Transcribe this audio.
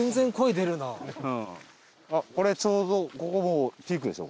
あっこれちょうどここもうピークでしょ。